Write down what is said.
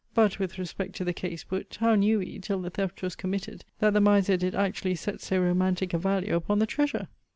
But, with respect to the case put, how knew we, till the theft was committed, that the miser did actually set so romantic a value upon the treasure?